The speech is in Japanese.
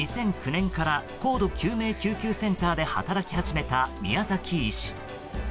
２００９年から高度救命救急センターで働き始めた宮崎医師。